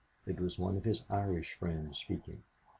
It was one of his Irish friends speaking.